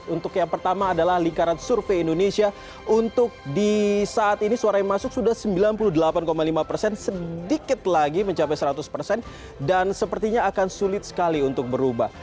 untuk yang pertama adalah lingkaran survei indonesia untuk di saat ini suara yang masuk sudah sembilan puluh delapan lima persen sedikit lagi mencapai seratus persen dan sepertinya akan sulit sekali untuk berubah